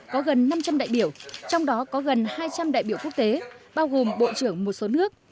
có gần năm trăm linh đại biểu trong đó có gần hai trăm linh đại biểu quốc tế bao gồm bộ trưởng một số nước